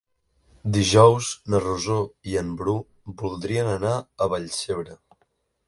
Dijous na Rosó i en Bru voldrien anar a Vallcebre.